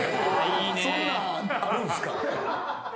そんなんあるんすか？